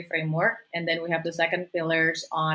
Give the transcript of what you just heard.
dan kemudian kita memiliki pilar kedua